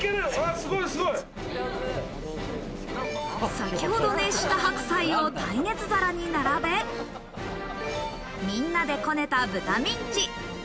先ほど熱した白菜を耐熱皿に並べ、みんなで、こねた豚ミンチ。